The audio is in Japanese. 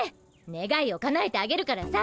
ねがいをかなえてあげるからさ。